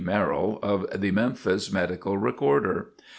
Merrill, of the "Memphis Medical Recorder."